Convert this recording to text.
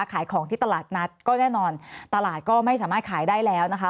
ขายของที่ตลาดนัดก็แน่นอนตลาดก็ไม่สามารถขายได้แล้วนะคะ